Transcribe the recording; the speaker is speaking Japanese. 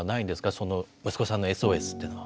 その息子さんのＳＯＳっていうのは。